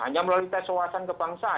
hanya melalui tes wawasan kebangsaan